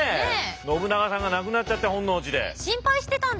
信長さんが亡くなっちゃって本能寺で。